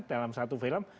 dalam satu film